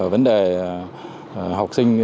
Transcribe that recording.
vấn đề học sinh